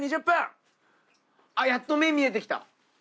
やっと麺見えてきた。